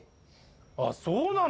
あそうなの。